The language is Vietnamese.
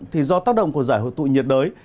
thì do tác động của giải hội tụ nhiệt đới